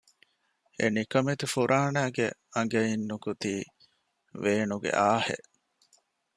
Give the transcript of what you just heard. އެނިކަމެތި ފުރާނައިގެ އަނގައިން ނިކުތީ ވޭނުގެ އާހް އެއް